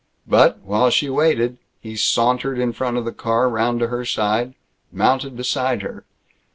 But, while she waited, he sauntered in front of the car, round to her side, mounted beside her.